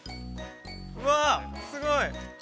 うわっ、すごい。